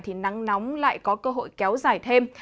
thì nắng nóng lại có cơ hội kéo dài thêm